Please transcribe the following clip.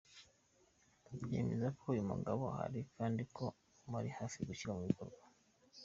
Yemeza ko uyu mugambi uhari kandi ko uri hafi gushyirwa mu bikorwa.